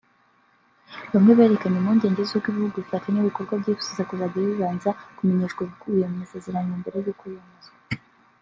Bamwe berekanye impungenge z’uko Ibihugu bifatanyabikorwa byifuza kuzajya bibanza kumenyeshwa ibikubiye mu masezerano mbere y’uko yemezwa